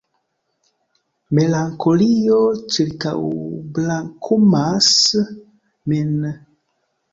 Melankolio ĉirkaŭbrakumas min.